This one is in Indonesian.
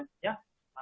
makan minum bagus